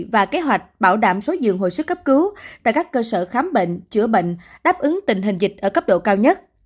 và kế hoạch bảo đảm số dường hồi sức cấp cứu tại các cơ sở khám bệnh chữa bệnh đáp ứng tình hình dịch ở cấp độ cao nhất